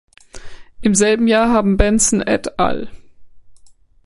Im selben Jahr haben Benson et al.